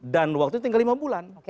dan waktu tinggal lima bulan